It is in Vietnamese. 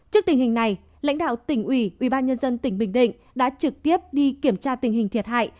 trước tình hình này lãnh đạo tỉnh ủy ủy ban nhân dân tỉnh bình định đã trực tiếp đi kiểm tra tình hình thiệt hại